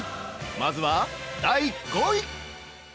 まずは第５位！